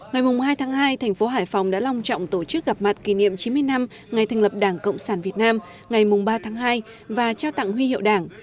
ngày hai tháng hai thành phố hải phòng đã long trọng tổ chức gặp mặt kỷ niệm chín mươi năm ngày thành lập đảng cộng sản việt nam ngày ba tháng hai và trao tặng huy hiệu đảng